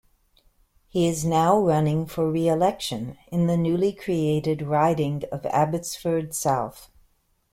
He is now running for re-election in the newly created riding of Abbotsford South.